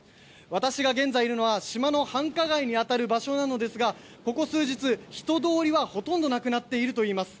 私が現在いるのは島の繁華街に当たる場所なのですがここ数日、人通りはほとんどなくなっているといいます。